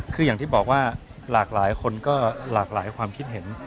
คืออย่างที่บอกว่าหลากหลายคนก็หลากหลายความคิดเห็น